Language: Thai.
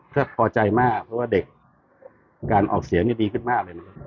ก็พอใจมากเพราะว่าเด็กการออกเสียงนี่ดีขึ้นมากเลยนะครับ